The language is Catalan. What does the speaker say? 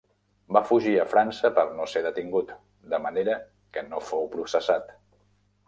Va fugir a França per no ser detingut, de manera que no fou processat.